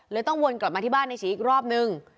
ต้องวนกลับมาที่บ้านในฉีอีกรอบนึง